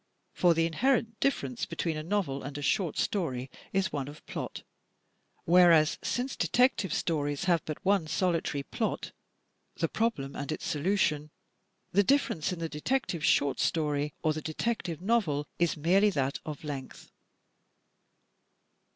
For the inherent difference be tween a novel and a short story is one of plot. Whereas, since Detective Stories have but one solitary plot, — "the problem and its solution," — the difference in the detective short story or the detective novel is merely that of length.